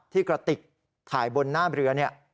ที่กระติกถ่ายบนหน้าเรือ